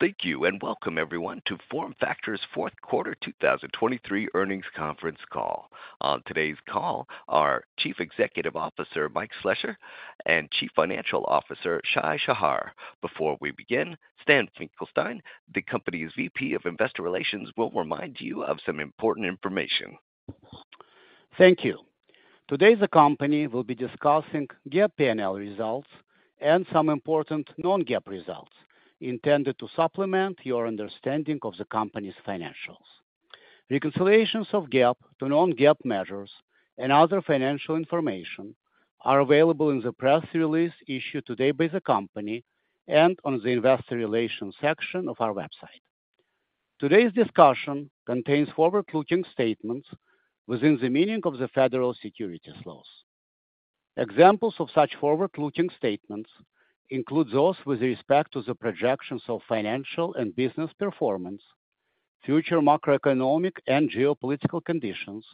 Thank you, and welcome everyone to FormFactor's fourth quarter 2023 earnings conference call. On today's call are Chief Executive Officer Mike Slessor and Chief Financial Officer Shai Shahar. Before we begin, Stan Finkelstein, the company's VP of Investor Relations, will remind you of some important information. Thank you. Today, the company will be discussing GAAP P&L results and some important non-GAAP results intended to supplement your understanding of the company's financials. Reconciliations of GAAP to non-GAAP measures and other financial information are available in the press release issued today by the company and on the investor relations section of our website. Today's discussion contains forward-looking statements within the meaning of the federal securities laws. Examples of such forward-looking statements include those with respect to the projections of financial and business performance, future macroeconomic and geopolitical conditions,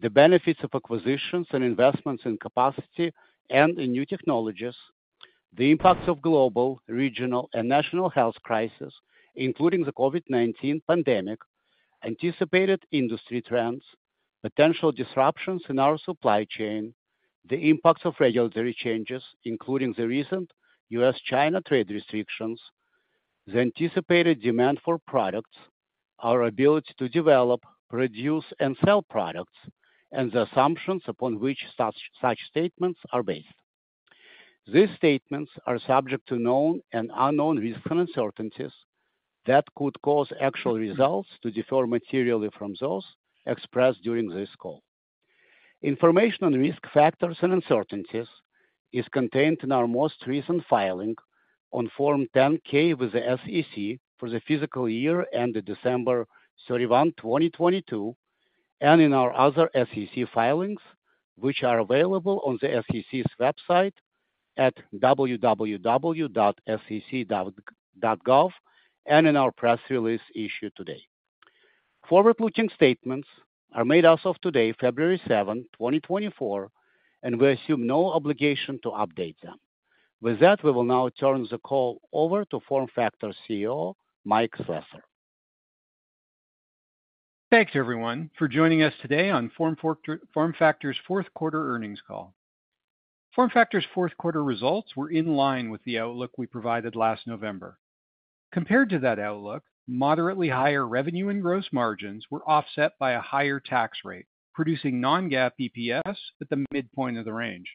the benefits of acquisitions and investments in capacity and in new technologies, the impacts of global, regional, and national health crisis, including the COVID-19 pandemic, anticipated industry trends, potential disruptions in our supply chain, the impacts of regulatory changes, including the recent U.S.-China trade restrictions, the anticipated demand for products, our ability to develop, produce, and sell products, and the assumptions upon which such, such statements are based. These statements are subject to known and unknown risks and uncertainties that could cause actual results to differ materially from those expressed during this call. Information on risk factors and uncertainties is contained in our most recent filing on Form 10-K with the SEC for the fiscal year ended December 31, 2022, and in our other SEC filings, which are available on the SEC's website at www.sec.gov and in our press release issued today. Forward-looking statements are made as of today, February 7, 2024, and we assume no obligation to update them. With that, we will now turn the call over to FormFactor CEO, Mike Slessor. Thanks everyone for joining us today on FormFactor, FormFactor's fourth quarter earnings call. FormFactor's fourth quarter results were in line with the outlook we provided last November. Compared to that outlook, moderately higher revenue and gross margins were offset by a higher tax rate, producing non-GAAP EPS at the midpoint of the range.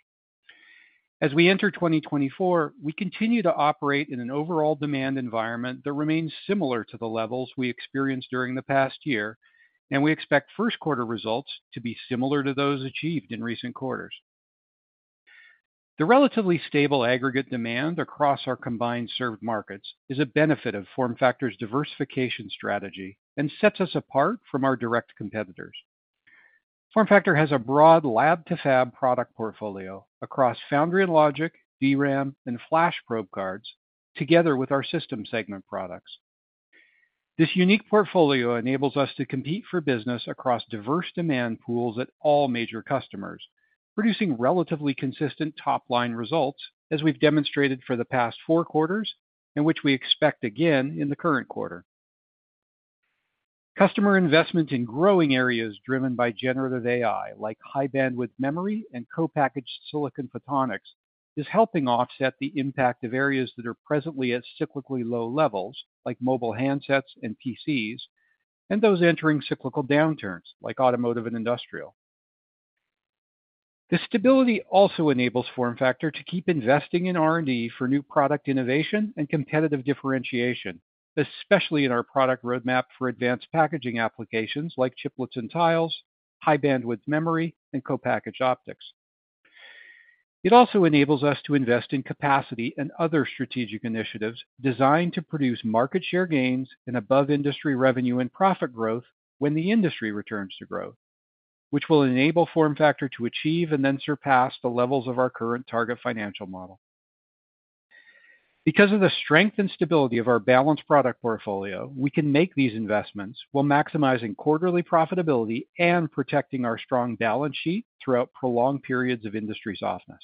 As we enter 2024, we continue to operate in an overall demand environment that remains similar to the levels we experienced during the past year, and we expect first quarter results to be similar to those achieved in recent quarters. The relatively stable aggregate demand across our combined served markets is a benefit of FormFactor's diversification strategy and sets us apart from our direct competitors. FormFactor has a broad lab to fab product portfolio across Foundry and Logic, DRAM, and Flash probe cards, together with our system segment products. This unique portfolio enables us to compete for business across diverse demand pools at all major customers, producing relatively consistent top-line results, as we've demonstrated for the past four quarters, and which we expect again in the current quarter. Customer investment in growing areas driven by generative AI, like high-bandwidth memory and co-packaged silicon photonics, is helping offset the impact of areas that are presently at cyclically low levels, like mobile handsets and PCs, and those entering cyclical downturns, like automotive and industrial. This stability also enables FormFactor to keep investing in R&D for new product innovation and competitive differentiation, especially in our product roadmap for advanced packaging applications like chiplets and tiles, high-bandwidth memory, and co-packaged optics. It also enables us to invest in capacity and other strategic initiatives designed to produce market share gains and above-industry revenue and profit growth when the industry returns to growth, which will enable FormFactor to achieve and then surpass the levels of our current target financial model. Because of the strength and stability of our balanced product portfolio, we can make these investments while maximizing quarterly profitability and protecting our strong balance sheet throughout prolonged periods of industry softness.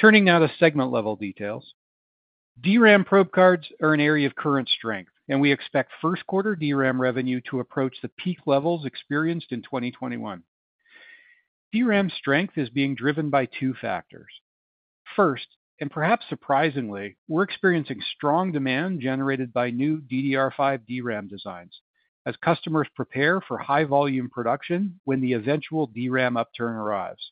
Turning now to segment-level details. DRAM probe cards are an area of current strength, and we expect first quarter DRAM revenue to approach the peak levels experienced in 2021. DRAM strength is being driven by two factors. First, and perhaps surprisingly, we're experiencing strong demand generated by new DDR5 DRAM designs as customers prepare for high-volume production when the eventual DRAM upturn arrives.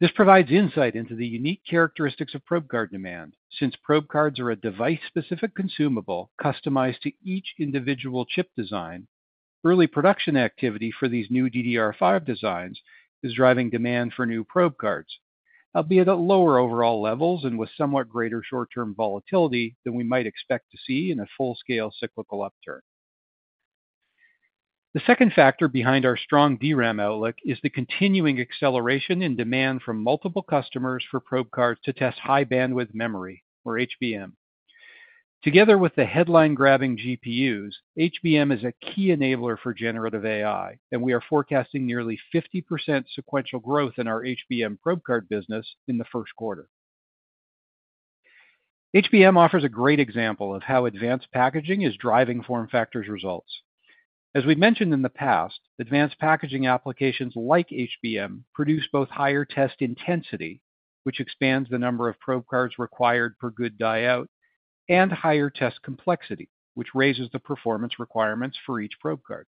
This provides insight into the unique characteristics of probe card demand. Since probe cards are a device-specific consumable customized to each individual chip design, early production activity for these new DDR5 designs is driving demand for new probe cards, albeit at lower overall levels and with somewhat greater short-term volatility than we might expect to see in a full-scale cyclical upturn. The second factor behind our strong DRAM outlook is the continuing acceleration in demand from multiple customers for probe cards to test high-bandwidth memory or HBM. Together with the headline-grabbing GPUs, HBM is a key enabler for generative AI, and we are forecasting nearly 50% sequential growth in our HBM probe card business in the first quarter. HBM offers a great example of how advanced packaging is driving FormFactor's results. As we've mentioned in the past, Advanced Packaging applications like HBM produce both higher test intensity, which expands the number of probe cards required per good die out, and higher test complexity, which raises the performance requirements for each probe card.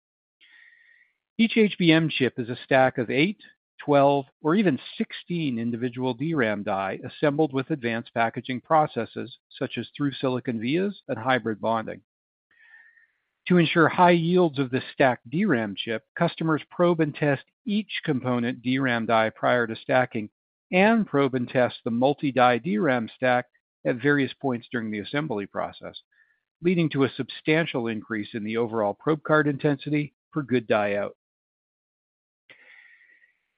Each HBM chip is a stack of eight, 12, or even 16 individual DRAM die, assembled with Advanced Packaging processes such as Through-Silicon Vias and Hybrid Bonding. To ensure high yields of the stacked DRAM chip, customers probe and test each component DRAM die prior to stacking, and probe and test the multi-die DRAM stack at various points during the assembly process, leading to a substantial increase in the overall probe card intensity per good die out.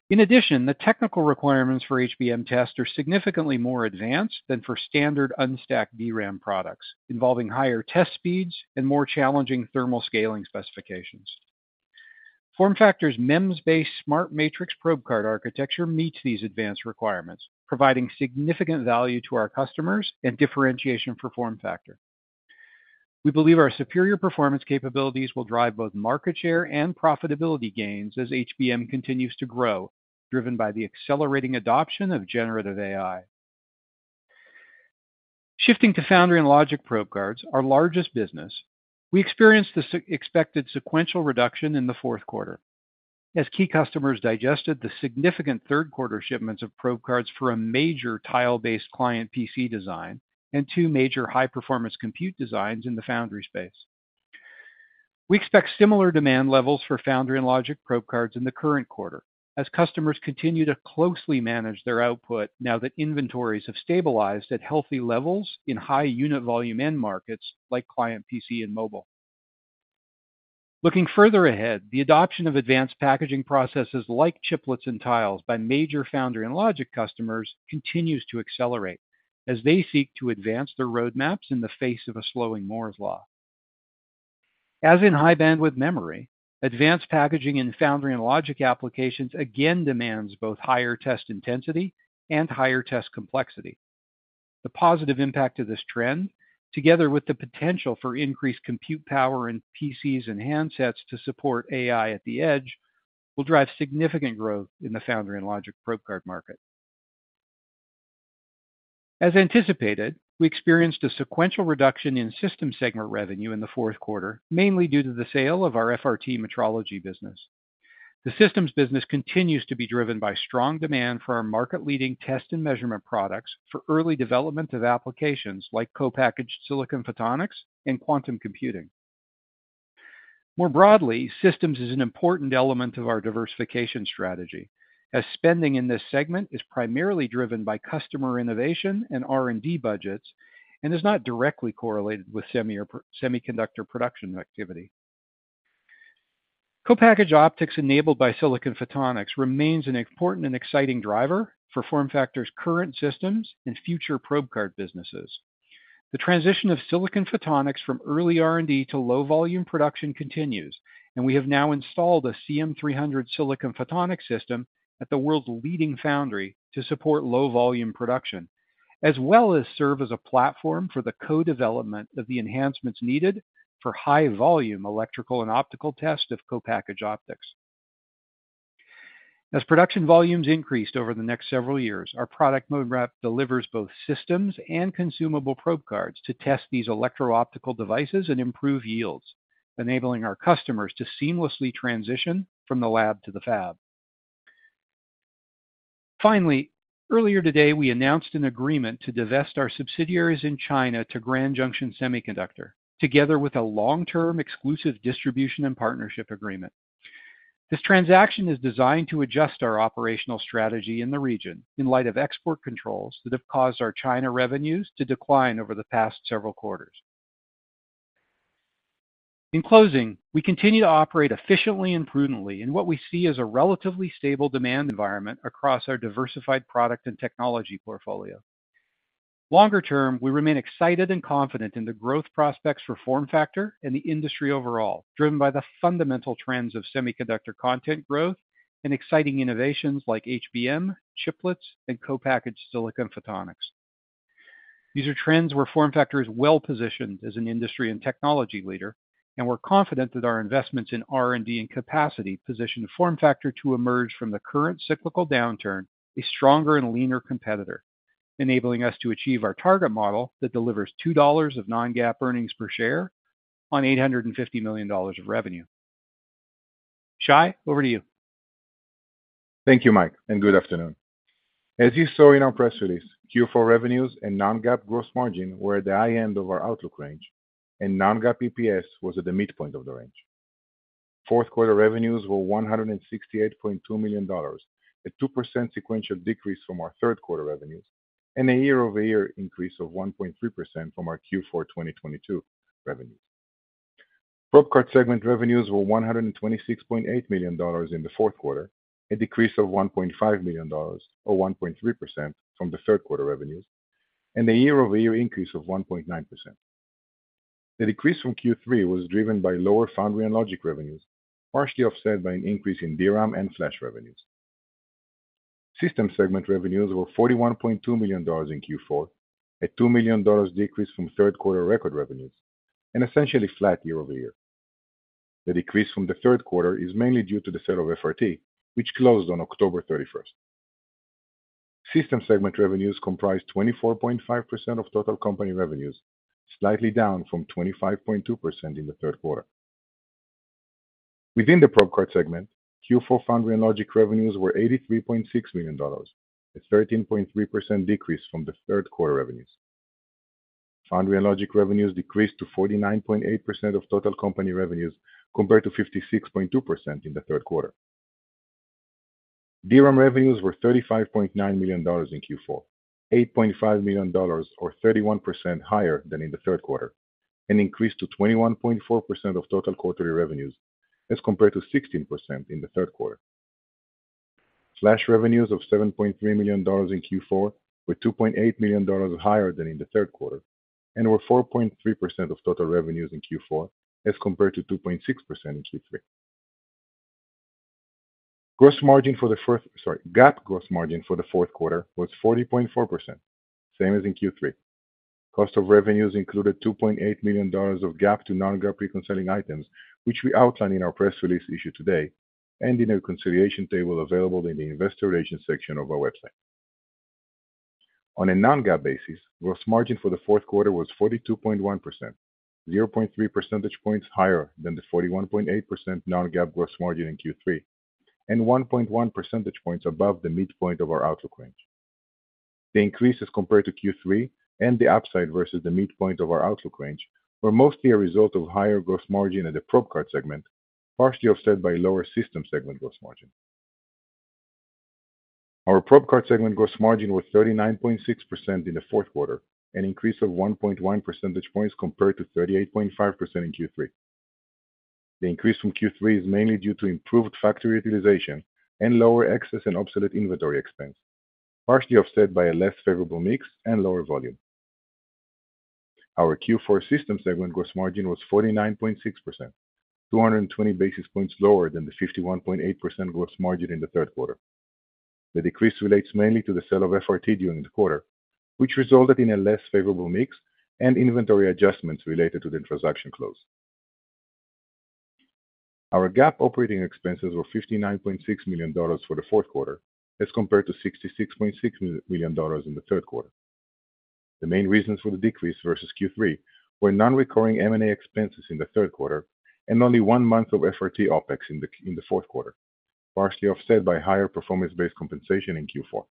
In addition, the technical requirements for HBM test are significantly more advanced than for standard unstacked DRAM products, involving higher test speeds and more challenging thermal scaling specifications. FormFactor's MEMS-based SmartMatrix probe card architecture meets these advanced requirements, providing significant value to our customers and differentiation for FormFactor. We believe our superior performance capabilities will drive both market share and profitability gains as HBM continues to grow, driven by the accelerating adoption of generative AI. Shifting to foundry and logic probe cards, our largest business, we experienced the expected sequential reduction in the fourth quarter as key customers digested the significant third quarter shipments of probe cards for a major tile-based client PC design and two major high-performance compute designs in the foundry space. We expect similar demand levels for foundry and logic probe cards in the current quarter, as customers continue to closely manage their output now that inventories have stabilized at healthy levels in high unit volume end markets like client, PC, and mobile. Looking further ahead, the adoption of advanced packaging processes like chiplets and tiles by major foundry and logic customers continues to accelerate as they seek to advance their roadmaps in the face of a slowing Moore's Law. As in high bandwidth memory, advanced packaging and foundry and logic applications again demands both higher test intensity and higher test complexity. The positive impact of this trend, together with the potential for increased compute power in PCs and handsets to support AI at the edge, will drive significant growth in the foundry and logic probe card market. As anticipated, we experienced a sequential reduction in systems segment revenue in the fourth quarter, mainly due to the sale of our FRT Metrology business. The systems business continues to be driven by strong demand for our market-leading test and measurement products for early development of applications like co-packaged silicon photonics and quantum computing. More broadly, systems is an important element of our diversification strategy, as spending in this segment is primarily driven by customer innovation and R&D budgets, and is not directly correlated with semiconductor production activity. Co-packaged optics, enabled by silicon photonics, remains an important and exciting driver for FormFactor's current systems and future probe card businesses. The transition of silicon photonics from early R&D to low-volume production continues, and we have now installed a CM300 silicon photonics system at the world's leading foundry to support low-volume production, as well as serve as a platform for the co-development of the enhancements needed for high-volume electrical and optical test of co-packaged optics. As production volumes increased over the next several years, our product portfolio delivers both systems and consumable probe cards to test these electro-optical devices and improve yields, enabling our customers to seamlessly transition from the lab to the fab. Finally, earlier today, we announced an agreement to divest our subsidiaries in China to Grand Junction Semiconductor, together with a long-term exclusive distribution and partnership agreement. This transaction is designed to adjust our operational strategy in the region in light of export controls that have caused our China revenues to decline over the past several quarters. In closing, we continue to operate efficiently and prudently in what we see as a relatively stable demand environment across our diversified product and technology portfolio. Longer term, we remain excited and confident in the growth prospects for FormFactor and the industry overall, driven by the fundamental trends of semiconductor content growth and exciting innovations like HBM, chiplets, and co-packaged silicon photonics. These are trends where FormFactor is well-positioned as an industry and technology leader, and we're confident that our investments in R&D and capacity position FormFactor to emerge from the current cyclical downturn, a stronger and leaner competitor, enabling us to achieve our target model that delivers $2 of non-GAAP earnings per share on $850 million of revenue. Shai, over to you. Thank you, Mike, and good afternoon. As you saw in our press release, Q4 revenues and non-GAAP gross margin were at the high end of our outlook range, and non-GAAP EPS was at the midpoint of the range. Fourth quarter revenues were $168.2 million, a 2% sequential decrease from our third quarter revenues and a year-over-year increase of 1.3% from our Q4 2022 revenues. Probe Card segment revenues were $126.8 million in the fourth quarter, a decrease of $1.5 million, or 1.3% from the third quarter revenues, and a year-over-year increase of 1.9%. The decrease from Q3 was driven by lower foundry and logic revenues, partially offset by an increase in DRAM and flash revenues. System segment revenues were $41.2 million in Q4, a $2 million decrease from third quarter record revenues, and essentially flat year over year. The decrease from the third quarter is mainly due to the sale of FRT, which closed on October thirty-first. System segment revenues comprised 24.5% of total company revenues, slightly down from 25.2% in the third quarter. Within the probe card segment, Q4 foundry and logic revenues were $83.6 million, a 13.3% decrease from the third quarter revenues. Foundry and logic revenues decreased to 49.8% of total company revenues, compared to 56.2% in the third quarter. DRAM revenues were $35.9 million in Q4, $8.5 million, or 31% higher than in the third quarter, and increased to 21.4% of total quarterly revenues, as compared to 16% in the third quarter. Flash revenues of $7.3 million in Q4 were $2.8 million higher than in the third quarter and were 4.3% of total revenues in Q4, as compared to 2.6% in Q3. Sorry. GAAP gross margin for the fourth quarter was 40.4%, same as in Q3. Cost of revenues included $2.8 million of GAAP to non-GAAP reconciling items, which we outlined in our press release issued today, and in a reconciliation table available in the investor relations section of our website. On a non-GAAP basis, gross margin for the fourth quarter was 42.1%, 0.3 percentage points higher than the 41.8% non-GAAP gross margin in Q3, and 1.1 percentage points above the midpoint of our outlook range. The increase as compared to Q3 and the upside versus the midpoint of our outlook range, were mostly a result of higher gross margin at the probe card segment, partially offset by lower system segment gross margin. Our probe card segment gross margin was 39.6% in the fourth quarter, an increase of 1.1 percentage points compared to 38.5% in Q3. The increase from Q3 is mainly due to improved factory utilization and lower excess and obsolete inventory expense, partially offset by a less favorable mix and lower volume. Our Q4 system segment gross margin was 49.6%, 220 basis points lower than the 51.8% gross margin in the third quarter. The decrease relates mainly to the sale of FRT during the quarter, which resulted in a less favorable mix and inventory adjustments related to the transaction close. Our GAAP operating expenses were $59.6 million for the fourth quarter, as compared to $66.6 million in the third quarter. The main reasons for the decrease versus Q3 were non-recurring M&A expenses in the third quarter and only one month of FRT OpEx in the fourth quarter, partially offset by higher performance-based compensation in Q4.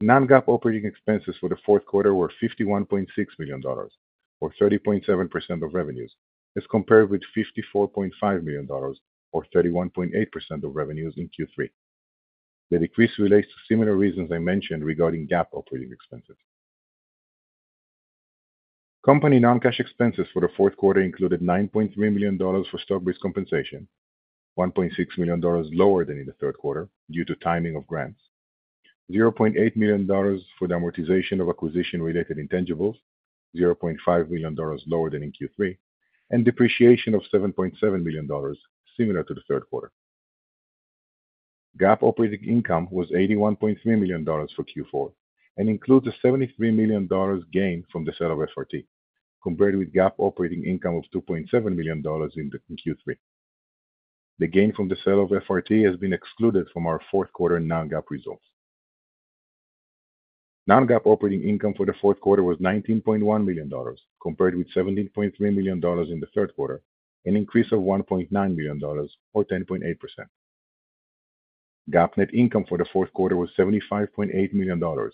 Non-GAAP operating expenses for the fourth quarter were $51.6 million, or 30.7% of revenues, as compared with $54.5 million, or 31.8% of revenues in Q3. The decrease relates to similar reasons I mentioned regarding GAAP operating expenses. Company non-cash expenses for the fourth quarter included $9.3 million for stock-based compensation, $1.6 million lower than in the third quarter due to timing of grants, $0.8 million for the amortization of acquisition-related intangibles, $0.5 million lower than in Q3, and depreciation of $7.7 million, similar to the third quarter. GAAP operating income was $81.3 million for Q4 and includes a $73 million gain from the sale of FRT, compared with GAAP operating income of $2.7 million in the Q3. The gain from the sale of FRT has been excluded from our fourth quarter non-GAAP results. Non-GAAP operating income for the fourth quarter was $19.1 million, compared with $17.3 million in the third quarter, an increase of $1.9 million, or 10.8%. GAAP net income for the fourth quarter was $75.8 million, or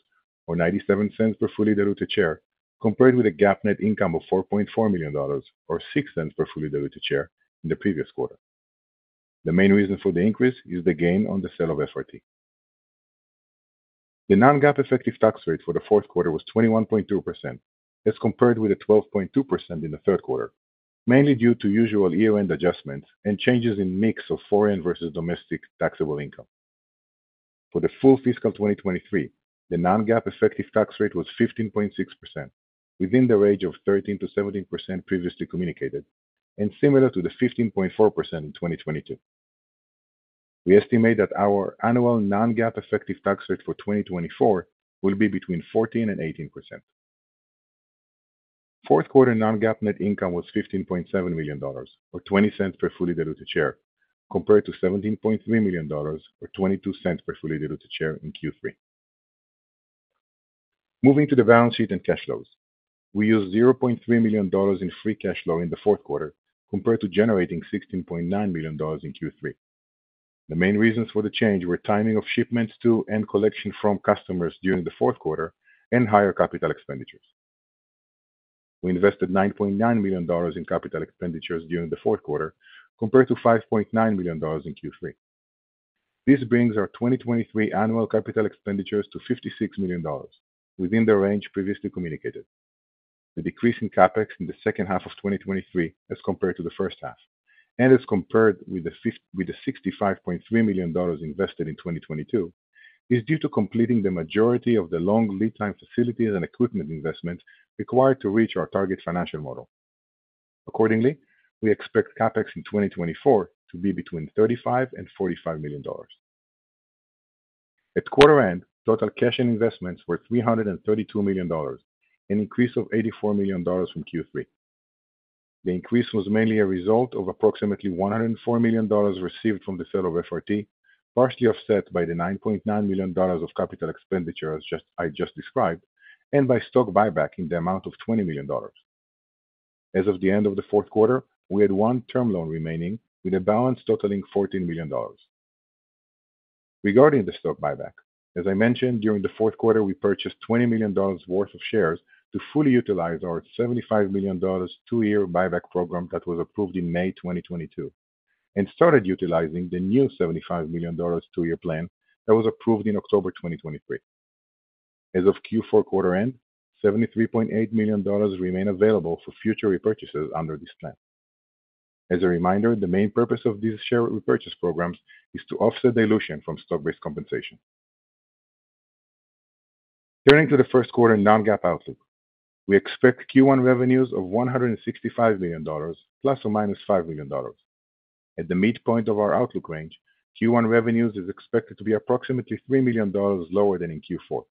$0.97 per fully diluted share, compared with a GAAP net income of $4.4 million, or $0.06 per fully diluted share in the previous quarter. The main reason for the increase is the gain on the sale of FRT. The non-GAAP effective tax rate for the fourth quarter was 21.2%, as compared with the 12.2% in the third quarter, mainly due to usual year-end adjustments and changes in mix of foreign versus domestic taxable income. For the full fiscal 2023, the non-GAAP effective tax rate was 15.6%, within the range of 13%-17% previously communicated, and similar to the 15.4% in 2022. We estimate that our annual non-GAAP effective tax rate for 2024 will be between 14% and 18%. Fourth quarter non-GAAP net income was $15.7 million, or $0.20 per fully diluted share, compared to $17.3 million, or $0.22 per fully diluted share in Q3. Moving to the balance sheet and cash flows. We used $0.3 million in free cash flow in the fourth quarter, compared to generating $16.9 million in Q3. The main reasons for the change were timing of shipments to and collection from customers during the fourth quarter and higher capital expenditures. We invested $9.9 million in capital expenditures during the fourth quarter, compared to $5.9 million in Q3.... This brings our 2023 annual capital expenditures to $56 million, within the range previously communicated. The decrease in CapEx in the second half of 2023, as compared to the first half, and as compared with the with the $65.3 million invested in 2022, is due to completing the majority of the long lead time facilities and equipment investments required to reach our target financial model. Accordingly, we expect CapEx in 2024 to be between $35 million and $45 million. At quarter end, total cash and investments were $332 million, an increase of $84 million from Q3. The increase was mainly a result of approximately $104 million received from the sale of FRT, partially offset by the $9.9 million of capital expenditure, as I just described, and by stock buyback in the amount of $20 million. As of the end of the fourth quarter, we had one term loan remaining, with a balance totaling $14 million. Regarding the stock buyback, as I mentioned, during the fourth quarter, we purchased $20 million worth of shares to fully utilize our $75 million two-year buyback program that was approved in May 2022, and started utilizing the new $75 million two-year plan that was approved in October 2023. As of Q4 quarter end, $73.8 million remain available for future repurchases under this plan. As a reminder, the main purpose of these share repurchase programs is to offset dilution from stock-based compensation. Turning to the first quarter non-GAAP outlook, we expect Q1 revenues of $165 million ± $5 million. At the midpoint of our outlook range, Q1 revenues is expected to be approximately $3 million lower than in Q4.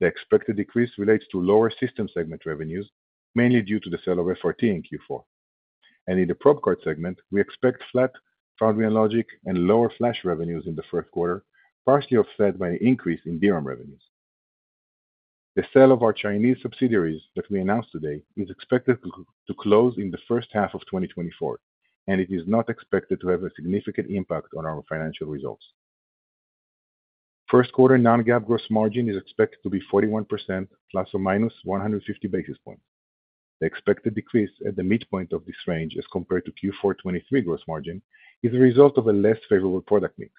The expected decrease relates to lower system segment revenues, mainly due to the sale of FRT in Q4. In the probe card segment, we expect flat foundry and logic, and lower flash revenues in the first quarter, partially offset by an increase in DRAM revenues. The sale of our Chinese subsidiaries that we announced today is expected to close in the first half of 2024, and it is not expected to have a significant impact on our financial results. First quarter non-GAAP gross margin is expected to be 41 ± 150 basis points. The expected decrease at the midpoint of this range as compared to Q4 2023 gross margin is a result of a less favorable product mix,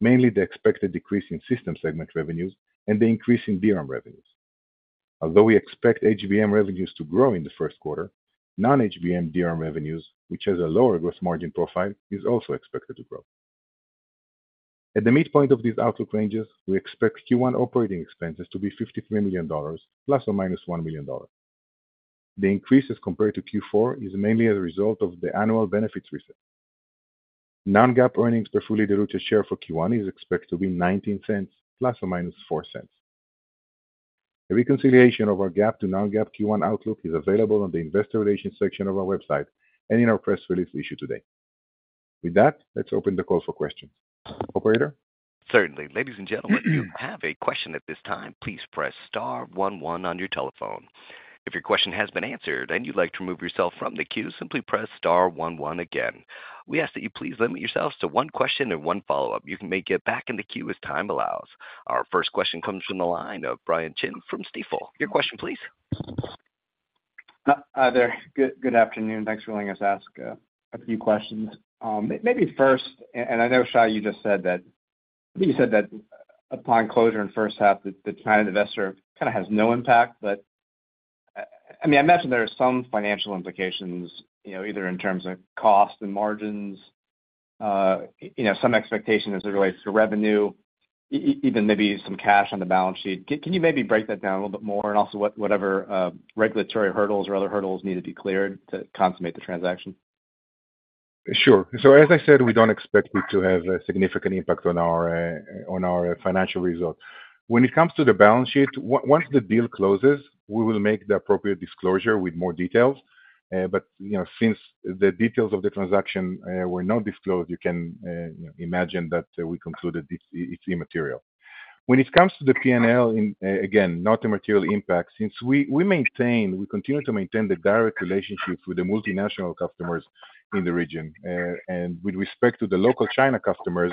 mainly the expected decrease in system segment revenues and the increase in DRAM revenues. Although we expect HBM revenues to grow in the first quarter, non-HBM DRAM revenues, which has a lower gross margin profile, is also expected to grow. At the midpoint of these outlook ranges, we expect Q1 operating expenses to be $53 million ±$1 million. The increase as compared to Q4 is mainly as a result of the annual benefits reset. Non-GAAP earnings per fully diluted share for Q1 is expected to be $0.19 ±$0.04. A reconciliation of our GAAP to non-GAAP Q1 outlook is available on the investor relations section of our website and in our press release issued today. With that, let's open the call for questions. Operator? Certainly. Ladies and gentlemen, if you have a question at this time, please press star one one on your telephone. If your question has been answered and you'd like to remove yourself from the queue, simply press star one one again. We ask that you please limit yourselves to one question and one follow-up. You can make it back in the queue as time allows. Our first question comes from the line of Brian Chin from Stifel. Your question, please. Hi there. Good afternoon. Thanks for letting us ask a few questions. Maybe first, and I know, Shai, you just said that upon closure in the first half, that the China investor kind of has no impact. But I mean, I imagine there are some financial implications, you know, either in terms of cost and margins, you know, some expectation as it relates to revenue, even maybe some cash on the balance sheet. Can you maybe break that down a little bit more? And also, whatever regulatory hurdles or other hurdles need to be cleared to consummate the transaction? Sure. So, as I said, we don't expect it to have a significant impact on our financial results. When it comes to the balance sheet, once the deal closes, we will make the appropriate disclosure with more details, but, you know, since the details of the transaction were not disclosed, you can imagine that we concluded this, it's immaterial. When it comes to the P&L, again, not a material impact, since we maintain, we continue to maintain the direct relationships with the multinational customers in the region. And with respect to the local China customers,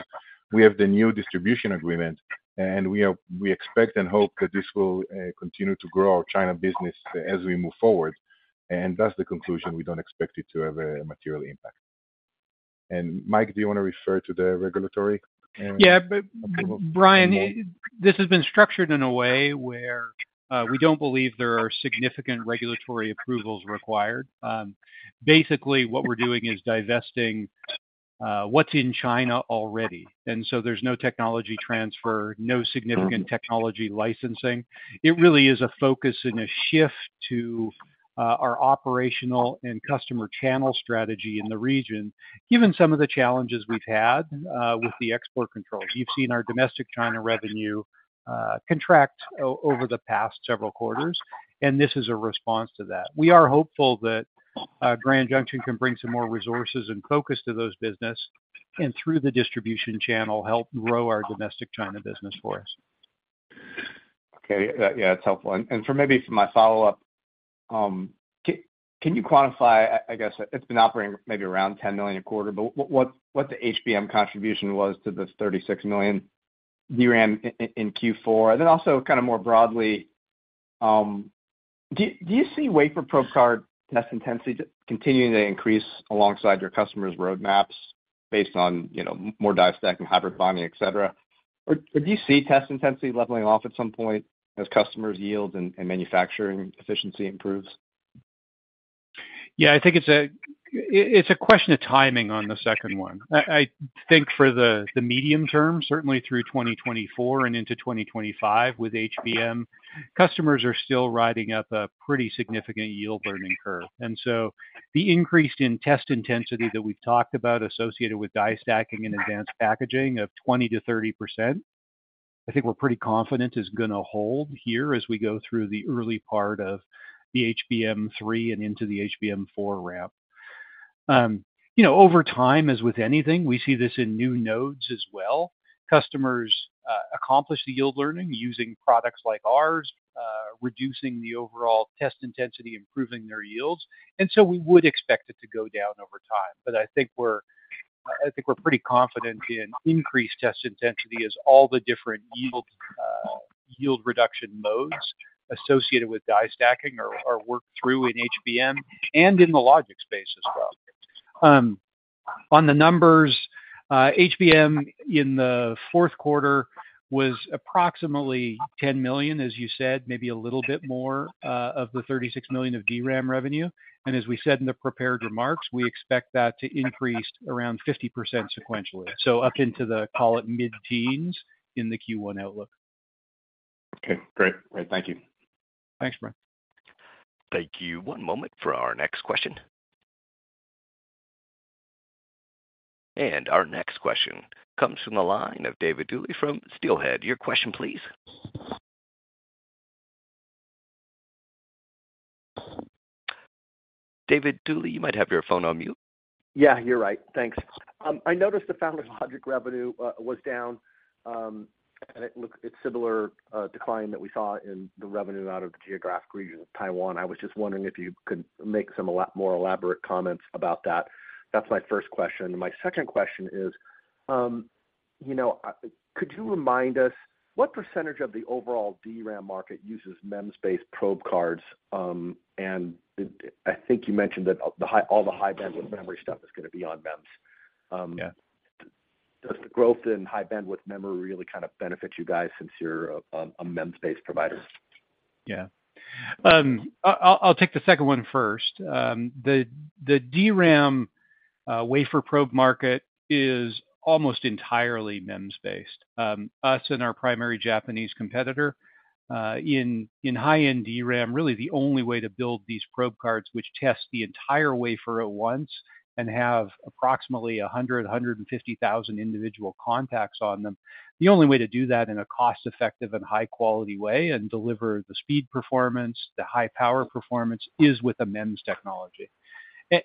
we have the new distribution agreement, and we expect and hope that this will continue to grow our China business as we move forward, and thus the conclusion, we don't expect it to have a material impact. Mike, do you want to refer to the regulatory? Yeah, but Brian, this has been structured in a way where we don't believe there are significant regulatory approvals required. Basically, what we're doing is divesting what's in China already, and so there's no technology transfer, no significant technology licensing. It really is a focus and a shift to our operational and customer channel strategy in the region, given some of the challenges we've had with the export controls. You've seen our domestic China revenue contract over the past several quarters, and this is a response to that. We are hopeful that Grand Junction can bring some more resources and focus to those business, and through the distribution channel, help grow our domestic China business for us. Okay. Yeah, that's helpful. And for maybe for my follow-up, can you quantify... I guess it's been operating maybe around $10 million a quarter, but what the HBM contribution was to this $36 million DRAM in Q4? And then also, kind of more broadly? Do you see wafer probe card test intensity continuing to increase alongside your customers' roadmaps based on, you know, more die stack and hybrid bonding, et cetera? Or do you see test intensity leveling off at some point as customers yield and manufacturing efficiency improves? Yeah, I think it's a, it's a question of timing on the second one. I, I think for the, the medium term, certainly through 2024 and into 2025, with HBM, customers are still riding up a pretty significant yield learning curve. And so the increase in test intensity that we've talked about associated with die stacking and advanced packaging of 20%-30%, I think we're pretty confident is gonna hold here as we go through the early part of the HBM3 and into the HBM4 ramp. You know, over time, as with anything, we see this in new nodes as well. Customers accomplish the yield learning using products like ours, reducing the overall test intensity, improving their yields, and so we would expect it to go down over time. But I think we're pretty confident in increased test intensity as all the different yield reduction modes associated with die stacking are worked through in HBM and in the logic space as well. On the numbers, HBM in the fourth quarter was approximately $10 million, as you said, maybe a little bit more, of the $36 million of DRAM revenue. And as we said in the prepared remarks, we expect that to increase around 50% sequentially. So up into the, call it, mid-teens in the Q1 outlook. Okay, great. Great, thank you. Thanks, Brian. Thank you. One moment for our next question. Our next question comes from the line of David Duley from Steelhead. Your question, please. David Duley, you might have your phone on mute. Yeah, you're right. Thanks. I noticed the foundry logic revenue was down, and it looked... It's similar decline that we saw in the revenue out of the geographic region of Taiwan. I was just wondering if you could make some a lot more elaborate comments about that. That's my first question. My second question is, you know, could you remind us what percentage of the overall DRAM market uses MEMS-based probe cards? And I think you mentioned that all the high-bandwidth memory stuff is gonna be on MEMS. Yeah. Does the growth in high-bandwidth memory really kind of benefit you guys since you're a MEMS-based provider? Yeah. I'll take the second one first. The DRAM wafer probe market is almost entirely MEMS-based. Us and our primary Japanese competitor in high-end DRAM, really the only way to build these probe cards, which test the entire wafer at once and have approximately 100-150,000 individual contacts on them. The only way to do that in a cost-effective and high-quality way and deliver the speed performance, the high power performance, is with a MEMS technology.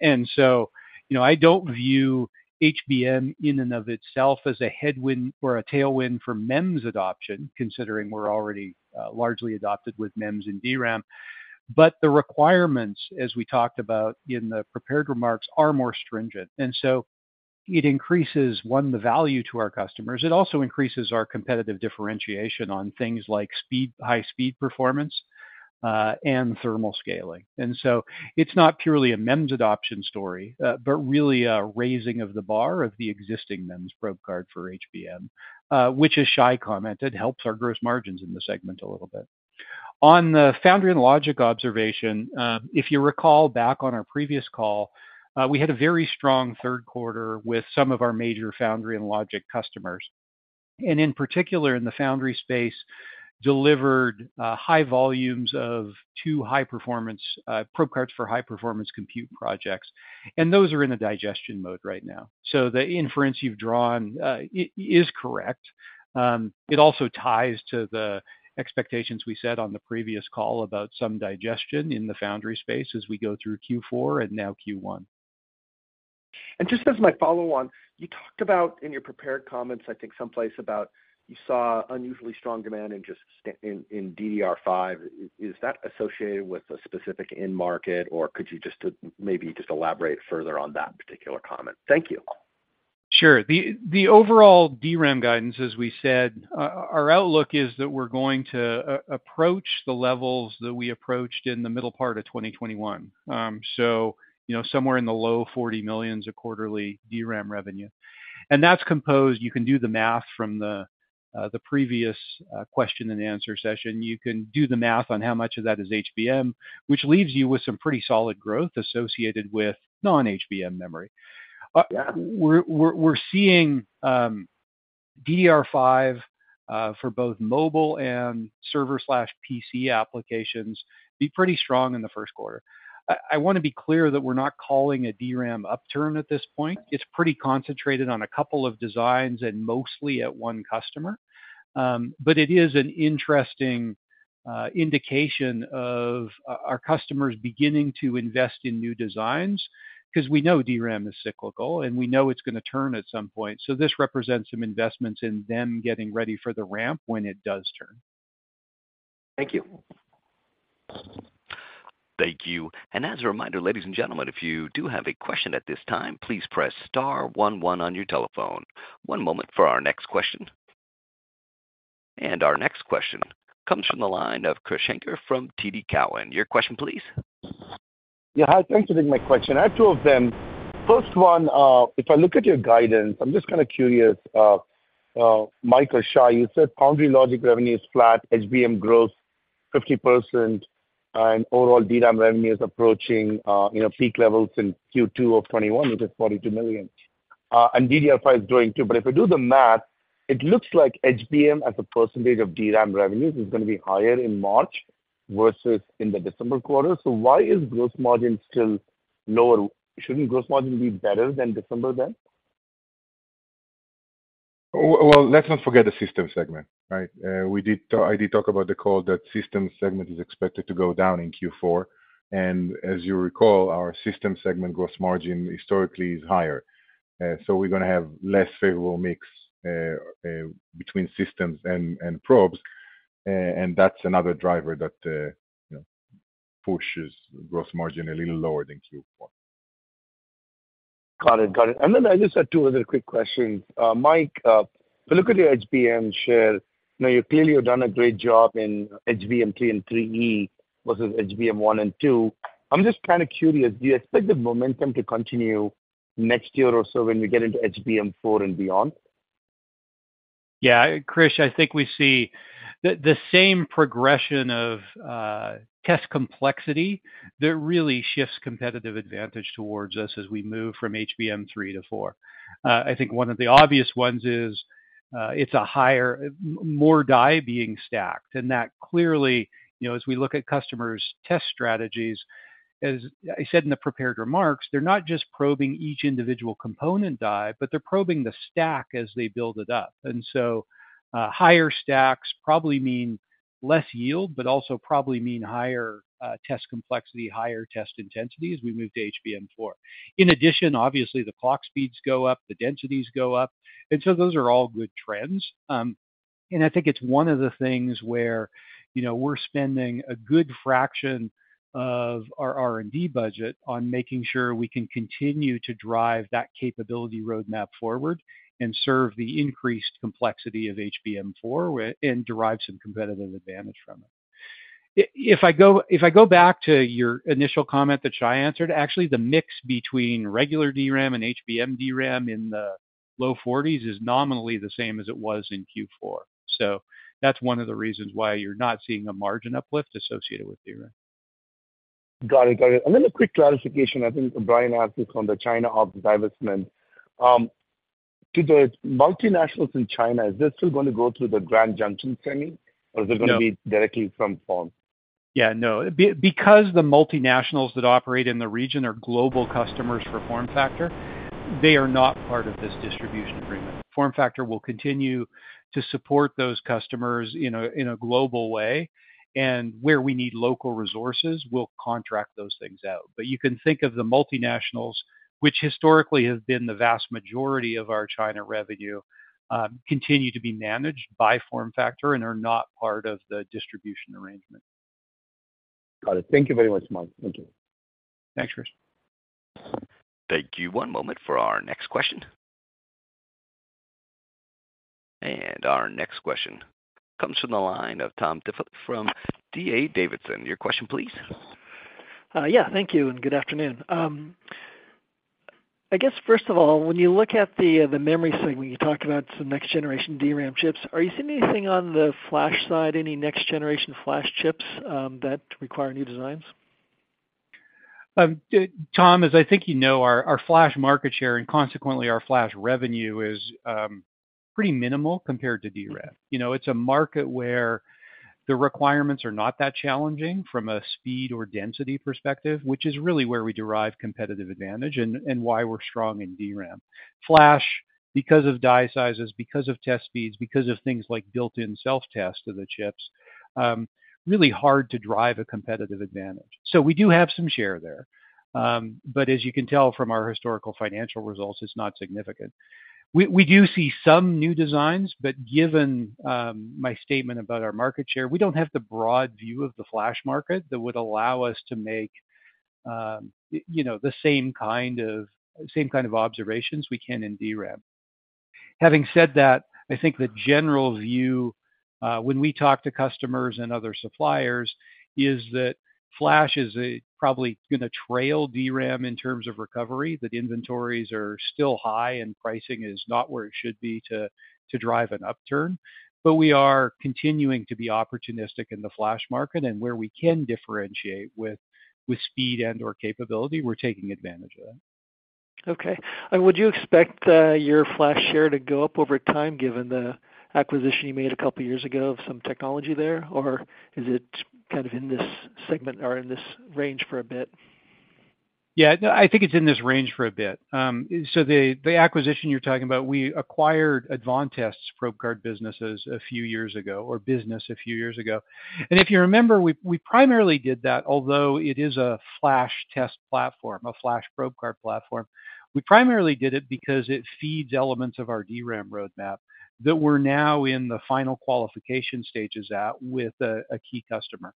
And so, you know, I don't view HBM in and of itself as a headwind or a tailwind for MEMS adoption, considering we're already largely adopted with MEMS and DRAM. But the requirements, as we talked about in the prepared remarks, are more stringent, and so it increases, one, the value to our customers. It also increases our competitive differentiation on things like speed, high speed performance, and thermal scaling. And so it's not purely a MEMS adoption story, but really a raising of the bar of the existing MEMS probe card for HBM, which as Shai commented, helps our gross margins in the segment a little bit. On the foundry and logic observation, if you recall back on our previous call, we had a very strong third quarter with some of our major foundry and logic customers, and in particular in the foundry space, delivered high volumes of two high-performance probe cards for high-performance compute projects, and those are in a digestion mode right now. So the inference you've drawn is correct. It also ties to the expectations we set on the previous call about some digestion in the foundry space as we go through Q4 and now Q1. Just as my follow-on, you talked about in your prepared comments, I think someplace about you saw unusually strong demand in just DDR5. Is that associated with a specific end market, or could you just, maybe just elaborate further on that particular comment? Thank you. Sure. The overall DRAM guidance, as we said, our outlook is that we're going to approach the levels that we approached in the middle part of 2021. So you know, somewhere in the low $40 million quarterly DRAM revenue. And that's composed... You can do the math from the previous question and answer session. You can do the math on how much of that is HBM, which leaves you with some pretty solid growth associated with non-HBM memory. We're seeing DDR5 for both mobile and server/PC applications be pretty strong in the first quarter. I want to be clear that we're not calling a DRAM upturn at this point. It's pretty concentrated on a couple of designs and mostly at one customer. But it is an interesting indication of our customers beginning to invest in new designs, because we know DRAM is cyclical, and we know it's gonna turn at some point. So this represents some investments in them getting ready for the ramp when it does turn. Thank you.... Thank you. As a reminder, ladies and gentlemen, if you do have a question at this time, please press star one one on your telephone. One moment for our next question. Our next question comes from the line of Krish Sankar from TD Cowen. Your question, please. Yeah, hi. Thanks for taking my question. I have two of them. First one, if I look at your guidance, I'm just kind of curious, Mike or Shai, you said foundry logic revenue is flat, HBM growth 50%, and overall DRAM revenue is approaching, you know, peak levels in Q2 of 2021, which is $42 million. And DDR5 is growing, too. But if I do the math, it looks like HBM as a percentage of DRAM revenues is gonna be higher in March versus in the December quarter. So why is gross margin still lower? Shouldn't gross margin be better than December then? Well, let's not forget the system segment, right? I did talk about the call that system segment is expected to go down in Q4, and as you recall, our system segment gross margin historically is higher. So we're gonna have less favorable mix between systems and probes, and that's another driver that, you know, pushes gross margin a little lower than Q4. Got it. Got it. And then I just had two other quick questions. Mike, if I look at your HBM share, now, you clearly have done a great job in HBM3 and HBM3E versus HBM1 and HBM2. I'm just kind of curious, do you expect the momentum to continue next year or so when we get into HBM4 and beyond? Yeah, Krish, I think we see the same progression of test complexity that really shifts competitive advantage towards us as we move from HBM3 to HBM4. I think one of the obvious ones is it's a higher, more die being stacked, and that clearly, you know, as we look at customers' test strategies, as I said in the prepared remarks, they're not just probing each individual component die, but they're probing the stack as they build it up. And so, higher stacks probably mean less yield, but also probably mean higher test complexity, higher test intensity as we move to HBM4. In addition, obviously, the clock speeds go up, the densities go up, and so those are all good trends. And I think it's one of the things where, you know, we're spending a good fraction of our R&D budget on making sure we can continue to drive that capability roadmap forward and serve the increased complexity of HBM4 with... and derive some competitive advantage from it. If I go back to your initial comment that Shai answered, actually, the mix between regular DRAM and HBM DRAM in the low 40s is nominally the same as it was in Q4. So that's one of the reasons why you're not seeing a margin uplift associated with DRAM. Got it. Got it. And then a quick clarification. I think Brian asked this on the China hub divestment. Do the multinationals in China, is this still gonna go through the Grand Junction semi, or- No... is it gonna be directly from Form? Yeah, no. Because the multinationals that operate in the region are global customers for FormFactor, they are not part of this distribution agreement. FormFactor will continue to support those customers in a global way, and where we need local resources, we'll contract those things out. But you can think of the multinationals, which historically have been the vast majority of our China revenue, continue to be managed by FormFactor and are not part of the distribution arrangement. Got it. Thank you very much, Mike. Thank you. Thanks, Krish. Thank you. One moment for our next question. Our next question comes from the line of Tom from D.A. Davidson. Your question, please. Yeah, thank you and good afternoon. I guess, first of all, when you look at the memory segment, you talked about some next generation DRAM chips. Are you seeing anything on the flash side, any next generation flash chips, that require new designs? Tom, as I think you know, our flash market share and consequently our flash revenue is pretty minimal compared to DRAM. You know, it's a market where the requirements are not that challenging from a speed or density perspective, which is really where we derive competitive advantage and why we're strong in DRAM. Flash, because of die sizes, because of test speeds, because of things like built-in self-test of the chips, really hard to drive a competitive advantage. So we do have some share there, but as you can tell from our historical financial results, it's not significant. We do see some new designs, but given my statement about our market share, we don't have the broad view of the Flash market that would allow us to make you know the same kind of observations we can in DRAM. Having said that, I think the general view when we talk to customers and other suppliers is that Flash is probably gonna trail DRAM in terms of recovery, that inventories are still high and pricing is not where it should be to drive an upturn. But we are continuing to be opportunistic in the Flash market and where we can differentiate with speed and/or capability, we're taking advantage of that. Okay. And would you expect your flash share to go up over time, given the acquisition you made a couple of years ago of some technology there, or is it kind of in this segment or in this range for a bit? Yeah, I think it's in this range for a bit. So the acquisition you're talking about, we acquired Advantest's probe card businesses a few years ago, or business a few years ago. And if you remember, we primarily did that, although it is a flash test platform, a flash probe card platform. We primarily did it because it feeds elements of our DRAM roadmap that we're now in the final qualification stages at with a key customer.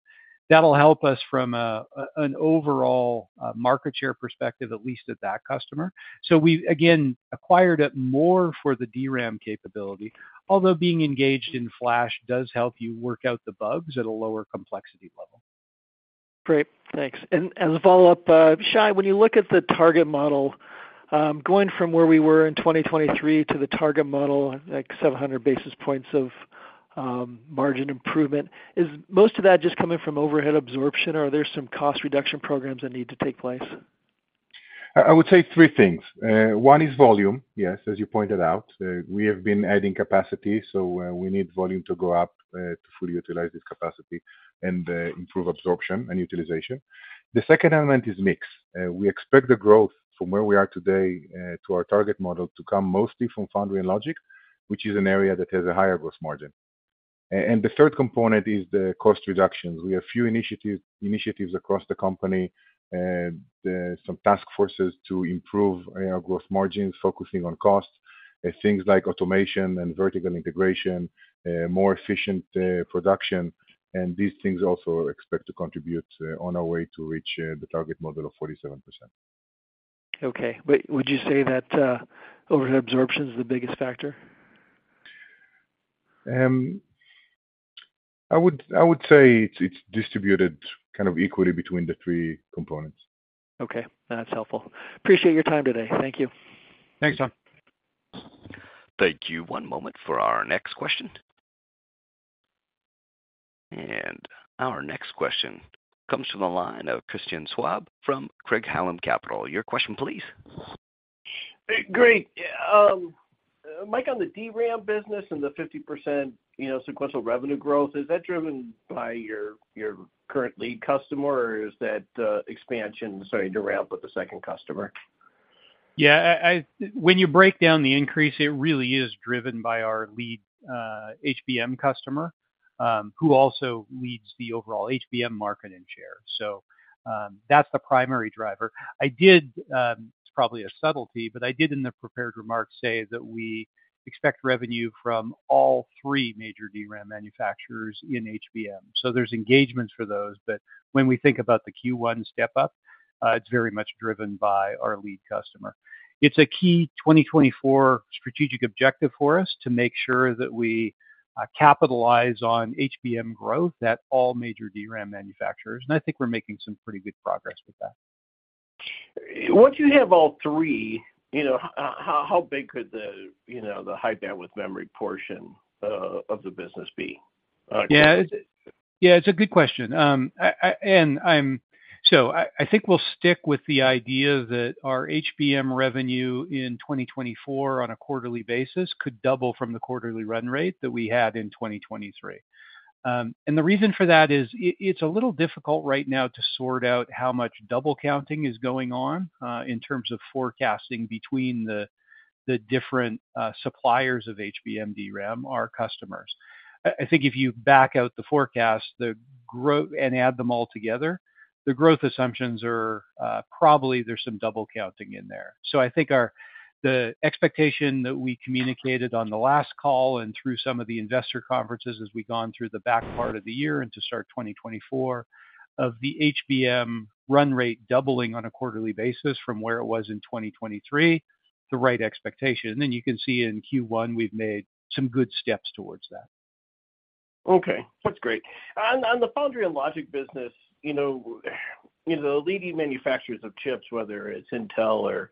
That'll help us from an overall market share perspective, at least at that customer. So we again acquired it more for the DRAM capability, although being engaged in flash does help you work out the bugs at a lower complexity level. Great, thanks. As a follow-up, Shai, when you look at the target model, going from where we were in 2023 to the target model, like 700 basis points of margin improvement, is most of that just coming from overhead absorption, or are there some cost reduction programs that need to take place? I, I would say three things: one is volume. Yes, as you pointed out, we have been adding capacity, so, we need volume to go up, to fully utilize this capacity and, improve absorption and utilization. The second element is mix. We expect the growth from where we are today, to our target model to come mostly from Foundry and Logic, which is an area that has a higher gross margin. And, and the third component is the cost reductions. We have few initiatives, initiatives across the company and, some task forces to improve, gross margins, focusing on costs, and things like automation and vertical integration, more efficient production, and these things also expect to contribute, on our way to reach, the target model of 47%. Okay. But would you say that overhead absorption is the biggest factor? I would say it's distributed kind of equally between the three components. Okay. That's helpful. Appreciate your time today. Thank you. Thanks, Tom. Thank you. One moment for our next question. Our next question comes from the line of Christian Schwab from Craig-Hallum Capital. Your question please. Great. Mike, on the DRAM business and the 50%, you know, sequential revenue growth, is that driven by your, your current lead customer, or is that, expansion, sorry, to ramp with the second customer? Yeah, I... When you break down the increase, it really is driven by our lead HBM customer, who also leads the overall HBM market and share. So, that's the primary driver. I did, it's probably a subtlety, but I did in the prepared remarks say that we expect revenue from all three major DRAM manufacturers in HBM. So there's engagements for those, but when we think about the Q1 step up, it's very much driven by our lead customer. It's a key 2024 strategic objective for us to make sure that we capitalize on HBM growth at all major DRAM manufacturers, and I think we're making some pretty good progress with that. Once you have all three, you know, how big could the, you know, the high bandwidth memory portion of the business be? Yeah. Yeah, it's a good question. So I think we'll stick with the idea that our HBM revenue in 2024 on a quarterly basis could double from the quarterly run rate that we had in 2023. And the reason for that is, it's a little difficult right now to sort out how much double counting is going on in terms of forecasting between the different suppliers of HBM DRAM, our customers. I think if you back out the forecast, the growth and add them all together, the growth assumptions are probably there's some double counting in there. So I think our expectation that we communicated on the last call and through some of the investor conferences as we've gone through the back part of the year and to start 2024, of the HBM run rate doubling on a quarterly basis from where it was in 2023, the right expectation. Then you can see in Q1, we've made some good steps towards that. Okay, that's great. On the Foundry and Logic business, you know, leading manufacturers of chips, whether it's Intel or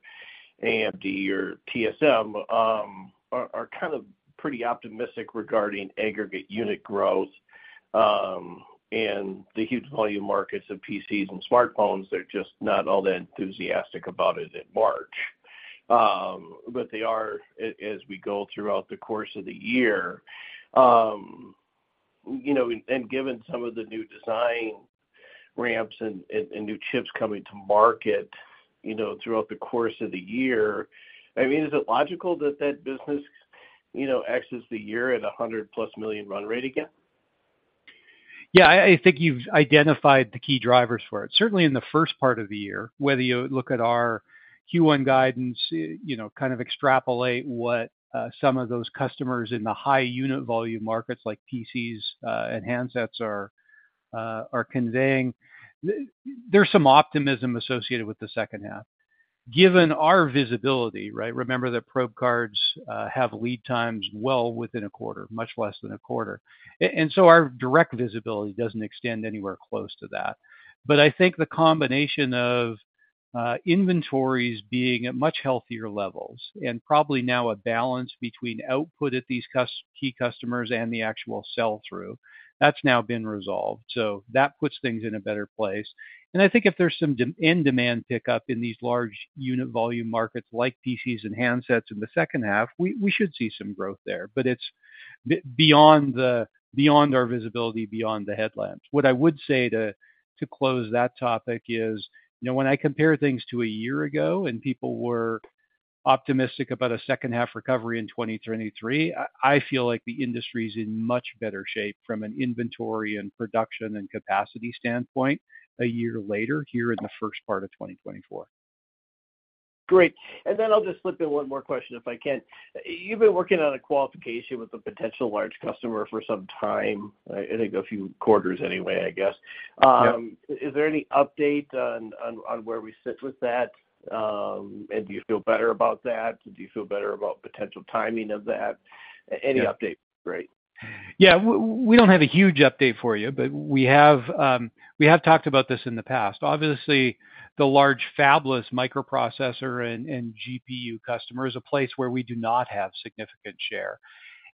AMD or TSMC, are kind of pretty optimistic regarding aggregate unit growth, and the huge volume markets of PCs and smartphones, they're just not all that enthusiastic about it in March. But they are as we go throughout the course of the year. You know, and given some of the new design ramps and new chips coming to market, you know, throughout the course of the year, I mean, is it logical that that business, you know, exits the year at a $100+ million run rate again? Yeah, I think you've identified the key drivers for it. Certainly in the first part of the year, whether you look at our Q1 guidance, you know, kind of extrapolate what some of those customers in the high unit volume markets like PCs and handsets are conveying. There's some optimism associated with the second half. Given our visibility, right? Remember that probe cards have lead times well within a quarter, much less than a quarter. And so our direct visibility doesn't extend anywhere close to that. But I think the combination of inventories being at much healthier levels and probably now a balance between output at these key customers and the actual sell-through, that's now been resolved. So that puts things in a better place. I think if there's some demand pickup in these large unit volume markets like PCs and handsets in the second half, we should see some growth there, but it's beyond our visibility, beyond the headlamps. What I would say to close that topic is, you know, when I compare things to a year ago and people were optimistic about a second half recovery in 2023, I feel like the industry's in much better shape from an inventory and production and capacity standpoint, a year later, here in the first part of 2024. Great. And then I'll just slip in one more question, if I can. You've been working on a qualification with a potential large customer for some time, I think a few quarters anyway, I guess. Yep. Is there any update on where we sit with that? And do you feel better about that? Do you feel better about potential timing of that? Any update, great. Yeah, we don't have a huge update for you, but we have talked about this in the past. Obviously, the large fabless microprocessor and GPU customer is a place where we do not have significant share.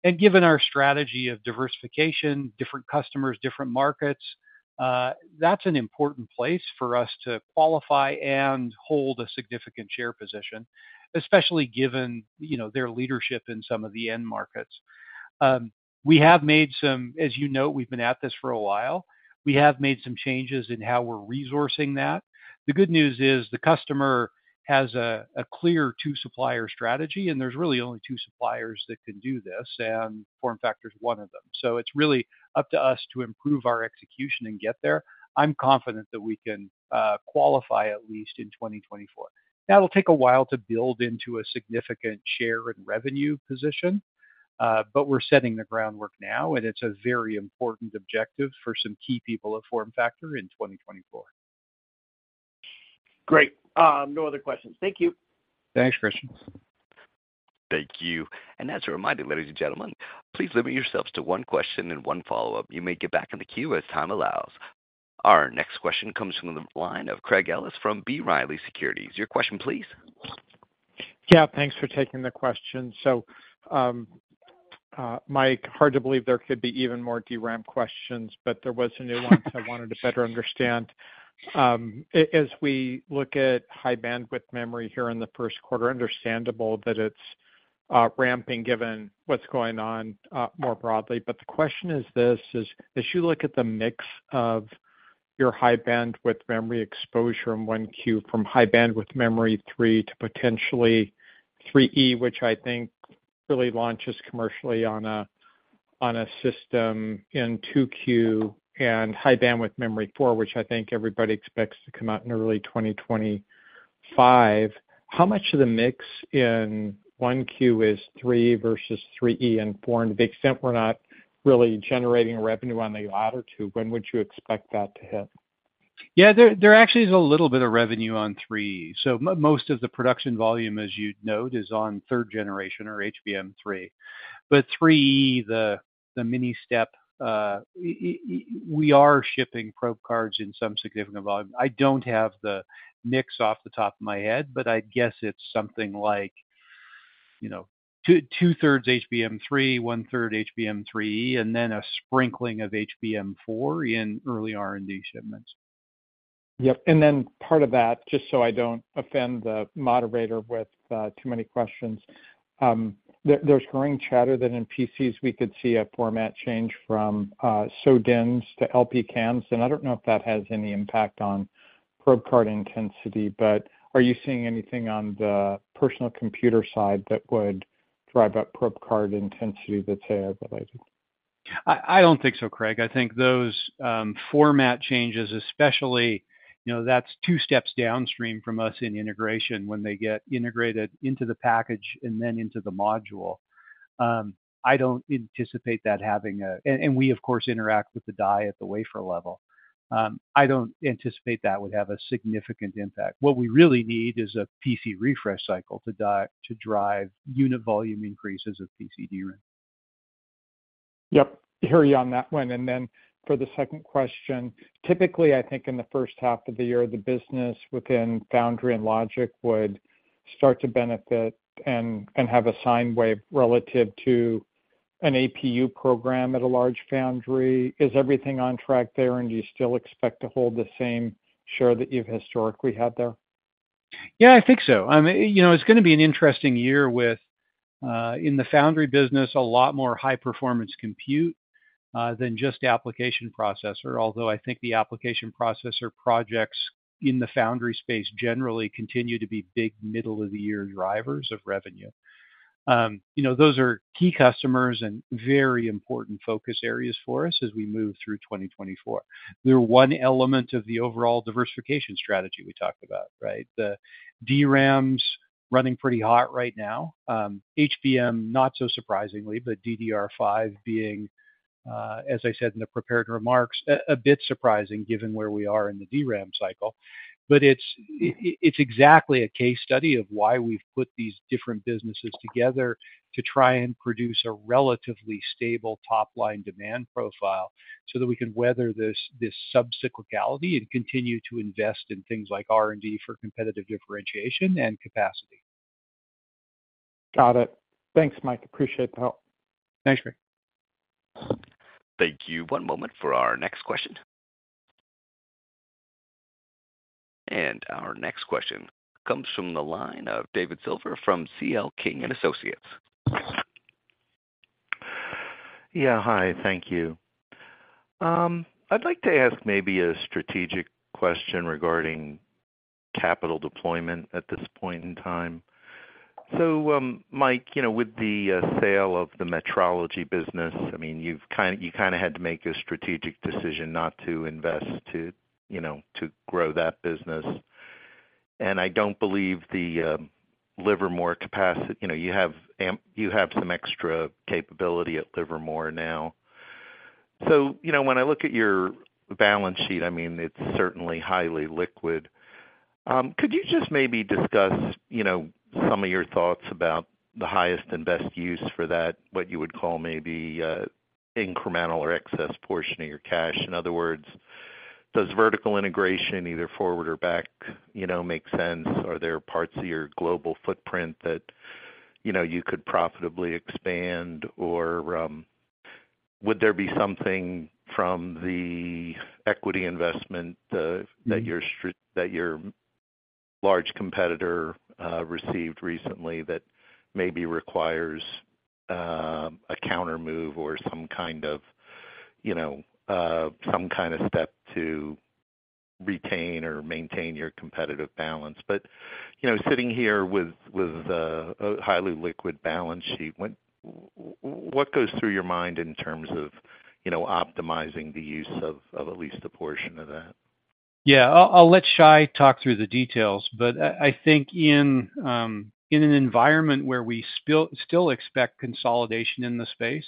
And given our strategy of diversification, different customers, different markets, that's an important place for us to qualify and hold a significant share position, especially given, you know, their leadership in some of the end markets. As you know, we've been at this for a while. We have made some changes in how we're resourcing that. The good news is, the customer has a clear two-supplier strategy, and there's really only two suppliers that can do this, and FormFactor is one of them. So it's really up to us to improve our execution and get there. I'm confident that we can qualify at least in 2024. That'll take a while to build into a significant share and revenue position, but we're setting the groundwork now, and it's a very important objective for some key people at FormFactor in 2024. Great. No other questions. Thank you. Thanks, Christian. Thank you. As a reminder, ladies and gentlemen, please limit yourselves to one question and one follow-up. You may get back in the queue as time allows. Our next question comes from the line of Craig Ellis from B. Riley Securities. Your question, please. Yeah, thanks for taking the question. So, Mike, hard to believe there could be even more DRAM questions, but there was a new one, so I wanted to better understand. As we look at High-Bandwidth Memory here in the first quarter, understandable that it's ramping, given what's going on more broadly. But the question is this: As you look at the mix of your High-Bandwidth Memory exposure in 1Q from High-Bandwidth Memory 3 to potentially 3E, which I think really launches commercially on a system in 2Q, and High-Bandwidth Memory 4, which I think everybody expects to come out in early 2025, how much of the mix in 1Q is 3 versus 3E and 4? And to the extent we're not really generating revenue on the latter two, when would you expect that to hit? Yeah, there actually is a little bit of revenue on HBM3E. So most of the production volume, as you'd note, is on third generation or HBM3. But HBM3E, the mini step, we are shipping probe cards in some significant volume. I don't have the mix off the top of my head, but I'd guess it's something like, you know, 2/3 HBM3, 1/3 HBM3E, and then a sprinkling of HBM4 in early R&D shipments. Yep. And then part of that, just so I don't offend the moderator with too many questions, there, there's growing chatter that in PCs, we could see a format change from SODIMMs to LPCAMMs, and I don't know if that has any impact on probe card intensity, but are you seeing anything on the personal computer side that would drive up probe card intensity that's related? I don't think so, Craig. I think those format changes, especially, you know, that's two steps downstream from us in integration when they get integrated into the package and then into the module. I don't anticipate that having a-- and we, of course, interact with the die at the wafer level. I don't anticipate that would have a significant impact. What we really need is a PC refresh cycle to drive unit volume increases of PC DRAM. Yep. Hear you on that one. And then for the second question, typically, I think in the first half of the year, the business within Foundry and Logic would start to benefit and have a sine wave relative to an APU program at a large foundry. Is everything on track there, and do you still expect to hold the same share that you've historically had there? Yeah, I think so. I mean, you know, it's gonna be an interesting year with, in the foundry business, a lot more high-performance compute, than just the application processor. Although, I think the application processor projects in the foundry space generally continue to be big middle-of-the-year drivers of revenue. You know, those are key customers and very important focus areas for us as we move through 2024. They're one element of the overall diversification strategy we talked about, right? The DRAM's running pretty hot right now. HBM, not so surprisingly, but DDR5 being, as I said in the prepared remarks, a bit surprising given where we are in the DRAM cycle. But it's exactly a case study of why we've put these different businesses together to try and produce a relatively stable top-line demand profile, so that we can weather this sub-cyclicality and continue to invest in things like R&D for competitive differentiation and capacity. Got it. Thanks, Mike. Appreciate the help. Thanks, Craig. Thank you. One moment for our next question. Our next question comes from the line of David Silver from CL King and Associates. Yeah. Hi, thank you. I'd like to ask maybe a strategic question regarding capital deployment at this point in time. So, Mike, you know, with the sale of the metrology business, I mean, you've kind of had to make a strategic decision not to invest to, you know, to grow that business. And I don't believe the Livermore capacity, you know, you have some extra capability at Livermore now. So, you know, when I look at your balance sheet, I mean, it's certainly highly liquid. Could you just maybe discuss, you know, some of your thoughts about the highest and best use for that, what you would call maybe incremental or excess portion of your cash? In other words, does vertical integration, either forward or back, you know, make sense? Are there parts of your global footprint that-... You know, you could profitably expand, or would there be something from the equity investment that your large competitor received recently that maybe requires a countermove or some kind of, you know, some kind of step to retain or maintain your competitive balance? But, you know, sitting here with a highly liquid balance sheet, what goes through your mind in terms of, you know, optimizing the use of at least a portion of that? Yeah. I'll let Shai talk through the details, but I think in an environment where we still expect consolidation in the space,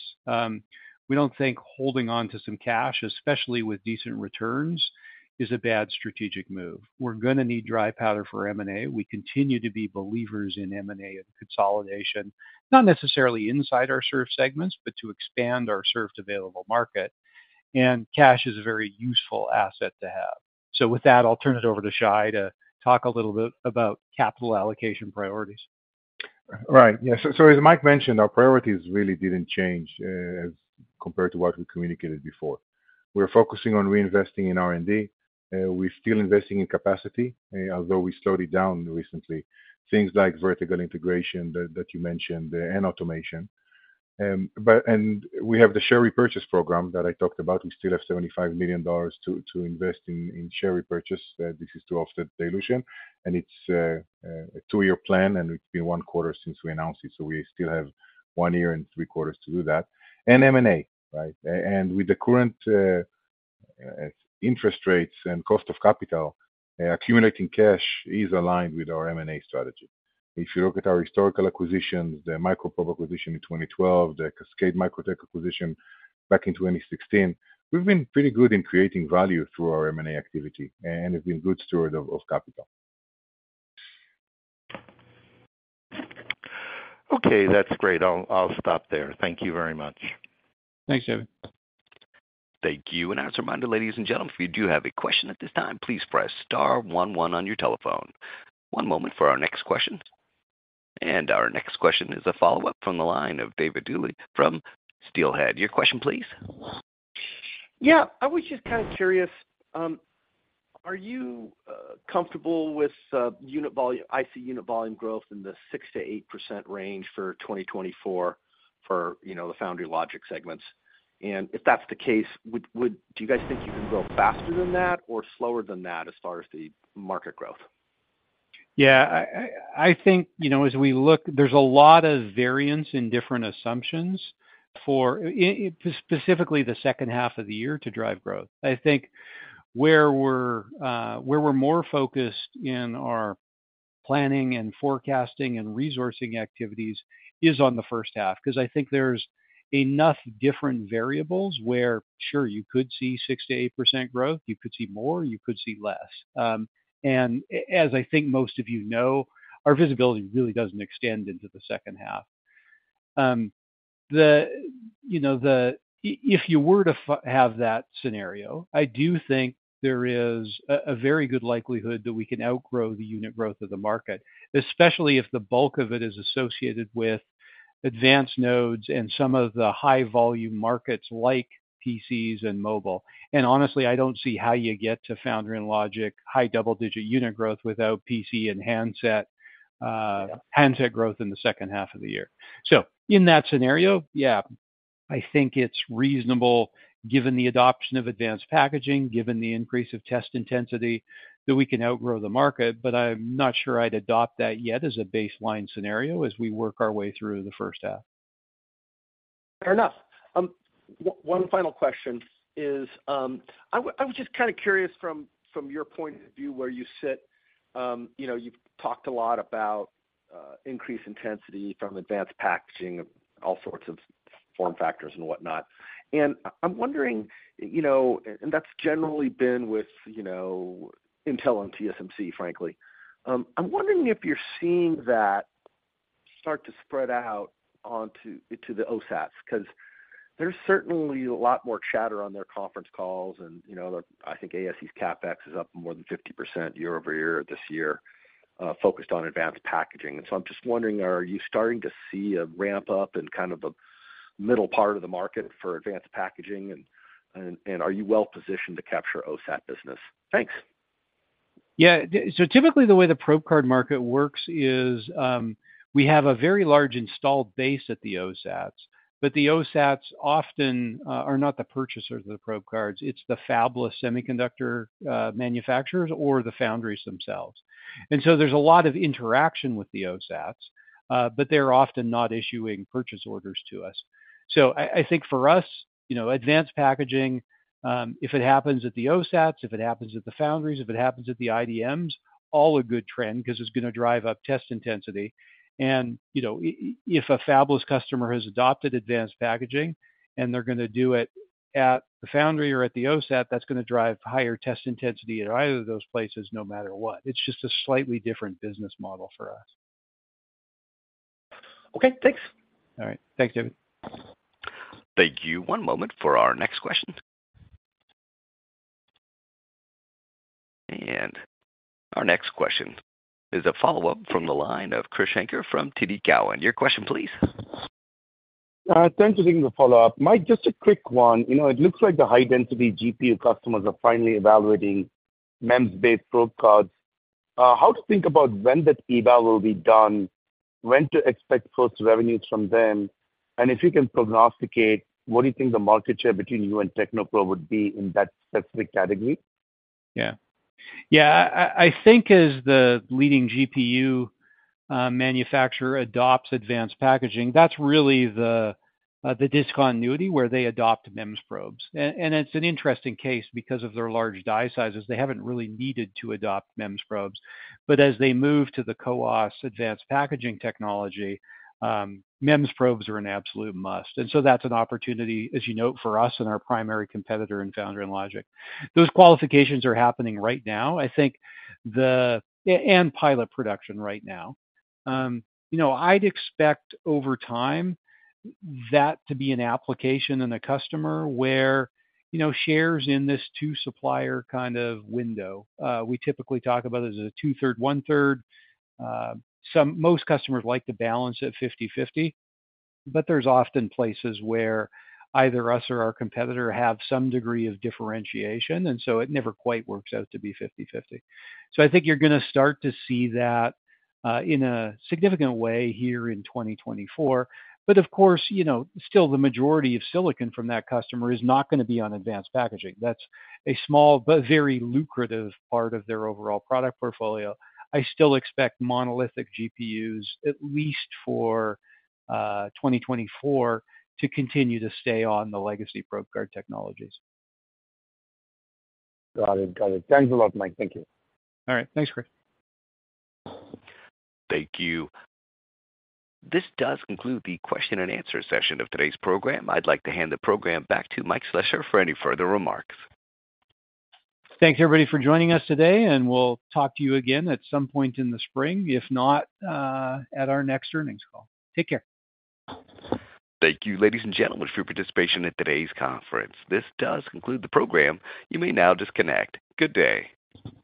we don't think holding on to some cash, especially with decent returns, is a bad strategic move. We're gonna need dry powder for M&A. We continue to be believers in M&A and consolidation, not necessarily inside our served segments, but to expand our served available market, and cash is a very useful asset to have. So with that, I'll turn it over to Shai to talk a little bit about capital allocation priorities. Right. Yeah. So as Mike mentioned, our priorities really didn't change, as compared to what we communicated before. We're focusing on reinvesting in R&D, we're still investing in capacity, although we slowed it down recently, things like vertical integration that you mentioned, and automation. But and we have the share repurchase program that I talked about. We still have $75 million to invest in share repurchase. This is to offset dilution, and it's a 2-year plan, and it's been 1 quarter since we announced it, so we still have 1 year and 3 quarters to do that. And M&A, right? And with the current interest rates and cost of capital, accumulating cash is aligned with our M&A strategy. If you look at our historical acquisitions, the MicroProbe acquisition in 2012, the Cascade Microtech acquisition back in 2016, we've been pretty good in creating value through our M&A activity, and it's been good steward of capital. Okay, that's great. I'll, I'll stop there. Thank you very much. Thanks, David. Thank you. As a reminder, ladies and gentlemen, if you do have a question at this time, please press star one, one on your telephone. One moment for our next question. Our next question is a follow-up from the line of David Duley from Steelhead. Your question, please? Yeah, I was just kind of curious, are you comfortable with unit volume—IC unit volume growth in the 6%-8% range for 2024, for, you know, the foundry and logic segments? And if that's the case, would—do you guys think you can grow faster than that or slower than that as far as the market growth? Yeah, I think, you know, as we look, there's a lot of variance in different assumptions for specifically the second half of the year to drive growth. I think where we're more focused in our planning and forecasting and resourcing activities is on the first half, 'cause I think there's enough different variables where, sure, you could see 6%-8% growth, you could see more, you could see less. And as I think most of you know, our visibility really doesn't extend into the second half. You know, if you were to have that scenario, I do think there is a very good likelihood that we can outgrow the unit growth of the market, especially if the bulk of it is associated with advanced nodes and some of the high-volume markets like PCs and mobile. Honestly, I don't see how you get to foundry and logic, high double-digit unit growth without PC and handset, handset growth in the second half of the year. So in that scenario, yeah, I think it's reasonable, given the adoption of advanced packaging, given the increase of test intensity, that we can outgrow the market, but I'm not sure I'd adopt that yet as a baseline scenario as we work our way through the first half. Fair enough. One final question is, I was just kind of curious from, from your point of view, where you sit, you know, you've talked a lot about, increased intensity from advanced packaging of all sorts of form factors and whatnot. And I'm wondering, you know, and that's generally been with, you know, Intel and TSMC, frankly. I'm wondering if you're seeing that start to spread out onto, to the OSATs, 'cause there's certainly a lot more chatter on their conference calls and, you know, I think ASE's CapEx is up more than 50% year-over-year this year, focused on advanced packaging. And so I'm just wondering, are you starting to see a ramp-up in kind of the middle part of the market for advanced packaging, and, and, and are you well positioned to capture OSAT business? Thanks. Yeah. So typically the way the probe card market works is, we have a very large installed base at the OSATs, but the OSATs often are not the purchasers of the probe cards. It's the fabless semiconductor manufacturers or the foundries themselves. And so there's a lot of interaction with the OSATs, but they're often not issuing purchase orders to us. So I think for us, you know, advanced packaging, if it happens at the OSATs, if it happens at the foundries, if it happens at the IDMs, all a good trend because it's gonna drive up test intensity. And, you know, if a fabless customer has adopted advanced packaging, and they're gonna do it at the foundry or at the OSAT, that's gonna drive higher test intensity at either of those places, no matter what. It's just a slightly different business model for us. Okay, thanks. All right. Thanks, David. Thank you. One moment for our next question. Our next question is a follow-up from the line of Krish Sankar from TD Cowen. Your question please. Thanks for taking the follow-up. Mike, just a quick one. You know, it looks like the high-density GPU customers are finally evaluating MEMS-based probe cards. How to think about when that eval will be done, when to expect first revenues from them, and if you can prognosticate, what do you think the market share between you and Technoprobe would be in that specific category? Yeah. Yeah, I think as the leading GPU manufacturer adopts Advanced Packaging, that's really the discontinuity where they adopt MEMS probes. And it's an interesting case because of their large die sizes. They haven't really needed to adopt MEMS probes. But as they move to the CoWoS Advanced Packaging technology, MEMS probes are an absolute must. And so that's an opportunity, as you note, for us and our primary competitor in Foundry and Logic. Those qualifications are happening right now. I think they're in pilot production right now. You know, I'd expect over time, that to be an application and a customer where, you know, shares in this two-supplier kind of window, we typically talk about as a two-thirds, one-third. Most customers like to balance at 50/50, but there's often places where either us or our competitor have some degree of differentiation, and so it never quite works out to be 50/50. So I think you're gonna start to see that in a significant way here in 2024. But of course, you know, still the majority of silicon from that customer is not gonna be on advanced packaging. That's a small but very lucrative part of their overall product portfolio. I still expect monolithic GPUs, at least for 2024, to continue to stay on the legacy probe card technologies. Got it. Got it. Thanks a lot, Mike. Thank you. All right. Thanks, Krish. Thank you. This does conclude the question and answer session of today's program. I'd like to hand the program back to Mike Slessor for any further remarks. Thanks, everybody, for joining us today, and we'll talk to you again at some point in the spring, if not, at our next earnings call. Take care. Thank you, ladies and gentlemen, for your participation in today's conference. This does conclude the program. You may now disconnect. Good day!